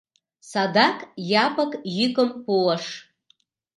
Садак Япык йӱкым пуыш.